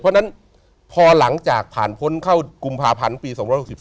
เพราะฉะนั้นพอหลังจากผ่านพ้นเข้ากุมภาพันธ์ปี๒๖๔